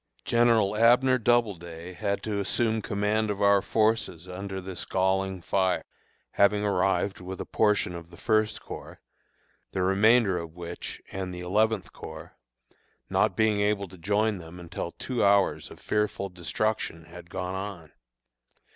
General Abner Doubleday had to assume command of our forces under this galling fire, having arrived with a portion of the First Corps, the remainder of which and the Eleventh Corps, not being able to join them until two hours of fearful destruction had gone on.